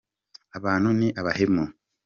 abantu ni abahemu